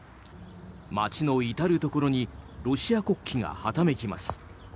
街の至るところにロシア国旗がはためきます。